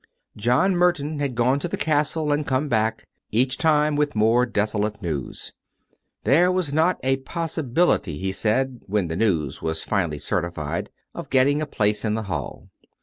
John Merton had gone to the castle and come back, each time with more desolate news. There was not a possibility, he said, when the news was finally certified, of getting a place in the hall.